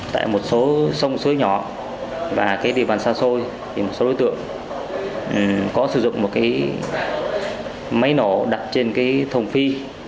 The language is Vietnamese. tại một số sông sối nhỏ và cái địa bàn xa xôi một số đối tượng có sử dụng một cái máy nổ đặt trên cái thồng phi